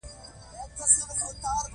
خلیفه ورنه پوښتنه وکړه: د پېغمبرۍ معجزه لرې.